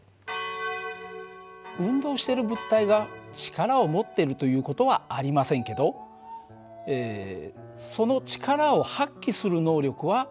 運動してる物体が力を持ってるという事はありませんけどその力を発揮する能力は持っています。